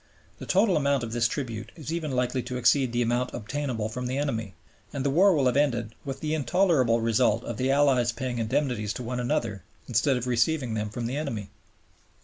The total amount of this tribute is even likely to exceed the amount obtainable from the enemy; and the war will have ended with the intolerable result of the Allies paying indemnities to one another instead of receiving them from the enemy.